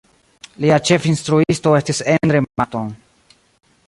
Lia ĉefinstruisto estis Endre Marton.